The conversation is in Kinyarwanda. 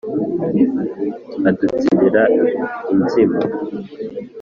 adutsindira inzimu